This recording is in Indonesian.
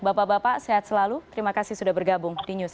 bapak bapak sehat selalu terima kasih sudah bergabung di news